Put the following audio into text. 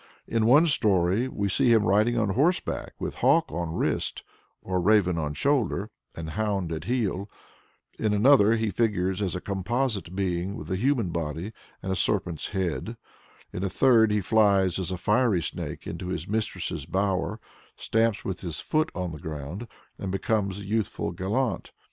In one story we see him riding on horseback, with hawk on wrist (or raven on shoulder) and hound at heel; in another he figures as a composite being with a human body and a serpent's head; in a third he flies as a fiery snake into his mistress's bower, stamps with his foot on the ground, and becomes a youthful gallant.